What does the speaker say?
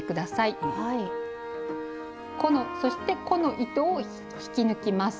そしてこの糸を引き抜きます。